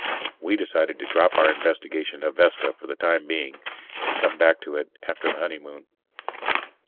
We decided to drop our investigation of Vesta for the time being, and come back to it after the honeymoon.